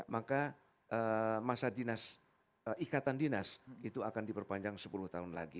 maka masa ikatan dinas itu akan diperpanjang sepuluh tahun lagi